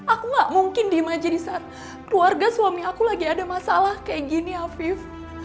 aku gak mungkin di majelisar keluarga suami aku lagi ada masalah kayak gini hafiz